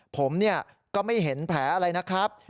ผมก็ไม่เห็นแผลอะไรนะครับ